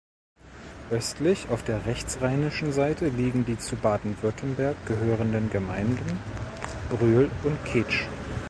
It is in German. Östlich, auf der rechtsrheinischen Seite, liegen die zu Baden-Württemberg gehörenden Gemeinden Brühl und Ketsch.